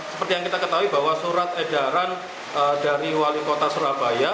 seperti yang kita ketahui bahwa surat edaran dari wali kota surabaya